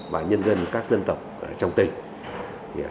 và nhân dân các dân tộc trong tỉnh